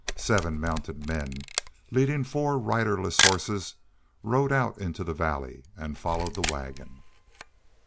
Seven mounted men, leading four riderless horses, rode out into the valley and followed the wagon.